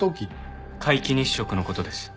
皆既日食の事です。